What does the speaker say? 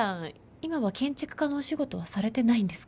今は建築家のお仕事はされてないんですか？